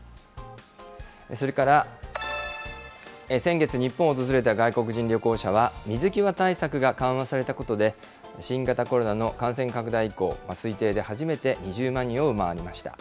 それから先月、日本を訪れた外国人旅行者は、水際対策が緩和されたことで、新型コロナの感染拡大以降、推定で初めて２０万人を上回りました。